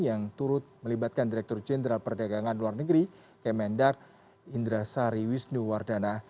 yang turut melibatkan direktur jenderal perdagangan luar negeri kemendak indra sari wisnuwardana